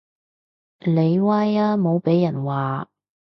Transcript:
你威啊無被人話